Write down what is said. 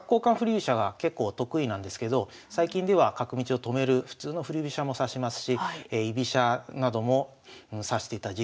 飛車が結構得意なんですけど最近では角道を止める普通の振り飛車も指しますし居飛車なども指してた時期もありました。